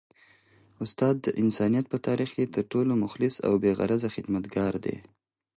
استاد د انسانیت په تاریخ کي تر ټولو مخلص او بې غرضه خدمتګار دی.